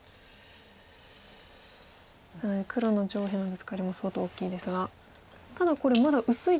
黒の上辺のブツカリも相当大きいですがただこれまだ薄いということなんですね。